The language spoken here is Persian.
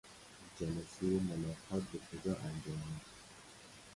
جلسهی ملاقات به کجا انجامید؟